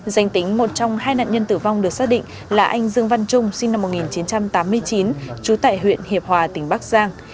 danh tính một trong hai nạn nhân tử vong được xác định là anh dương văn trung sinh năm một nghìn chín trăm tám mươi chín trú tại huyện hiệp hòa tỉnh bắc giang